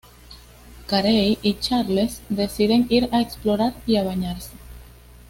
Carey y Charles deciden ir a explorar y a bañarse.